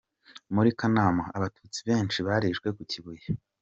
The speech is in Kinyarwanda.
Muri Kanama: Abatutsi benshi barishwe ku Kibuye.